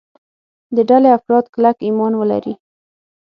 د ډلې افراد کلک ایمان ولري.